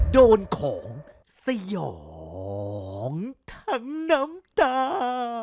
โดนของสยองทั้งน้ำตา